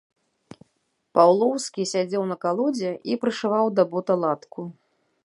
Паўлоўскі сядзеў на калодзе і прышываў да бота латку.